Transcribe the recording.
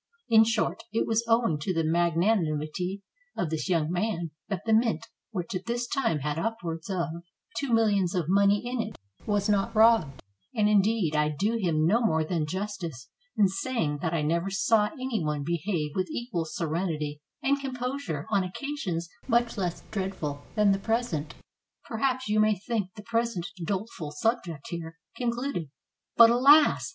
In short, it was owing to the magnanimity of this young man that the Mint, which at this time had upwards of two millions of money in it, was not robbed ; and indeed I do him no more than justice in saying that I never saw any one behave with equal serenity and composure on occasions much less dreadful than the present. ... Per 625 PORTUGAL haps you may think the present doleful subject here con cluded; but alas!